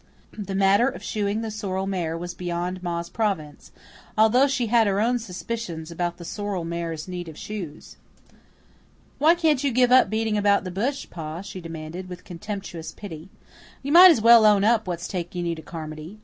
The matter of shoeing the sorrel mare was beyond Ma's province, although she had her own suspicions about the sorrel mare's need of shoes. "Why can't you give up beating about the bush, Pa?" she demanded, with contemptuous pity. "You might as well own up what's taking you to Carmody.